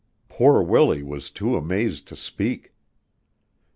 Poor Willie was too amazed to speak.